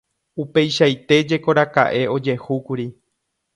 Upeichaite jekorakaʼe ojehúkuri.